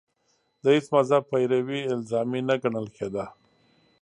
د هېڅ مذهب پیروي الزامي نه ګڼل کېده